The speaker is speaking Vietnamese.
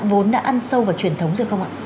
vốn đã ăn sâu vào truyền thống rồi không ạ